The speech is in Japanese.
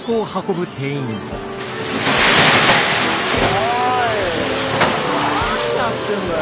おい何やってんだよ！